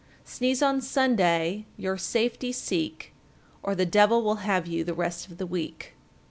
Sneeze on Sunday, your safety seek, Or the devil will have you the rest of the week.